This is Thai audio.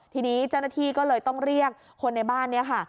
ทีนี้เจ้าหน้าที่ก็เลยต้องเรียกคนในบ้านนี้ค่ะ